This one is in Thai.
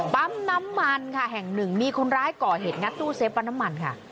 ปั๊มน้ำมันค่ะแห่งหนึ่งมีคนร้ายก่อเหตุงัดตู้เซฟปั๊มน้ำมันค่ะ